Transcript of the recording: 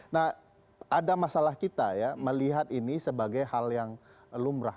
nah ada masalah kita ya melihat ini sebagai hal yang lumrah